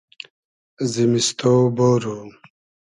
زیمیستو بۉرو